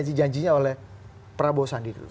di janjinya oleh prabowo sandi dulu